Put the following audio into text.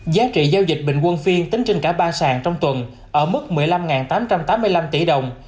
giá trị giao dịch bình quân phiên tính trên cả ba sàn trong tuần ở mức một mươi năm tám trăm tám mươi năm tỷ đồng